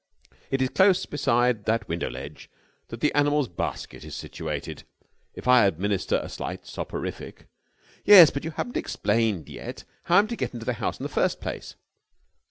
It is close beside that window ledge that the animal's basket is situated. If I administer a slight soporific...." "Yes, but you haven't explained yet how I am to get into the house in the first place."